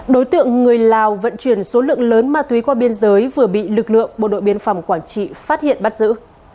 đối tượng người lào vận chuyển số lượng lớn ma túy qua biên giới vừa bị lực lượng bộ đội biên phòng quảng trị phát hiện bắt giữ